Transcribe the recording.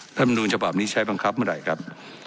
มนูลฉบับนี้ใช้บังคับเมื่อไหร่ครับ